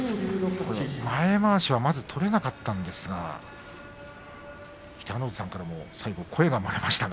前まわしは、まだ取れなかったんですが北の富士さんからも声が漏れましたが。